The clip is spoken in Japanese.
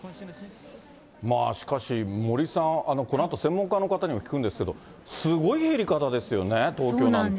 しかし、森さん、このあと専門家の方にも聞くんですけど、すごい減り方ですよね、東京なんて。